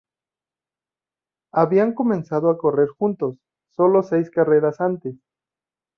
Habían comenzado a correr juntos solo seis carreras antes.